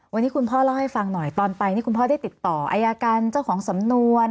วันนี้คุณพ่อเล่าให้ฟังหน่อยตอนไปนี่คุณพ่อได้ติดต่ออายการเจ้าของสำนวน